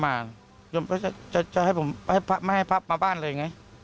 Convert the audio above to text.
ยังไม่ให้พระพระมาบ้านเลยไง